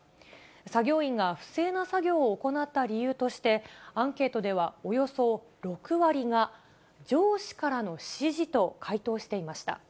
作業員が不正な作業を行った理由として、アンケートではおよそ６割が、上司からの指示と回答していました。